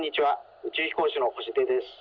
宇宙飛行士の星出です。